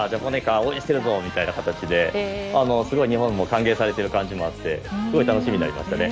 応援してるぞ！ってすごい日本も歓迎されている感じもあってすごい楽しみになりましたね。